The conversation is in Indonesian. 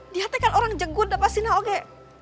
diatnya kan orang jago dapat sini aja